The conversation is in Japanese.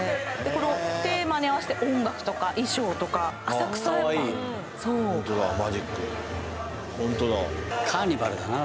このテーマに合わせて音楽とか衣装とかカワイイホントだマジックカーニバルだな